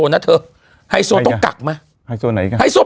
นะเธอต้องกักเตือนไหน